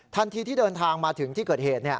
ทันทีที่เดินทางมาถึงที่เกิดเหตุ